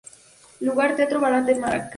Lugar: Teatro Baralt de Maracaibo.